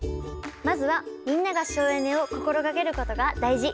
まずはみんなが省エネを心がけることが大事。